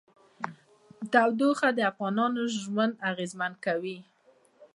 تودوخه د افغانانو ژوند اغېزمن کوي.